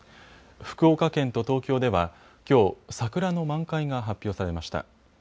福岡県と東京ではきょう桜の満開が発表されました。